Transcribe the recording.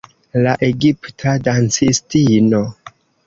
La egipta dancistino.